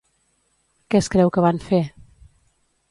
Què es creu que van fer?